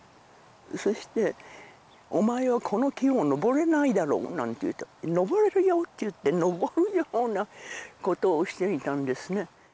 そしてお前はこの木を登れないだろうなんて言うと登れるよって言って登るようなことをしていたんですね